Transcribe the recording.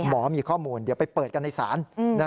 หมอมีข้อมูลเดี๋ยวไปเปิดกันในศาล